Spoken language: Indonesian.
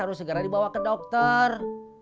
harus segera dibawa ke dokter